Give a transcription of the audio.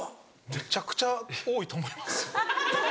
めちゃくちゃ多いと思います。